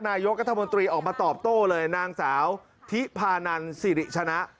นายกรัฐมนตรีออกมาตอบโต้เลยนางสาวทิพานันสิริชนะ